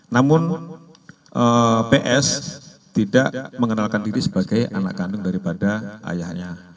namun ps tidak mengenalkan diri sebagai anak kandung daripada ayahnya